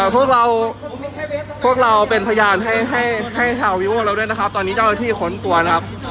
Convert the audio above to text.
พวกเราพวกเราเป็นพยานให้ให้ให้ชาววิวองเราด้วยนะครับตอนนี้เจ้าที่ขนตัวนะครับ